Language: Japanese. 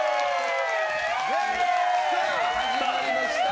さあ、始まりました！